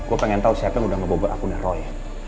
gue pengen tau siapa udah ngebobot aku dari roy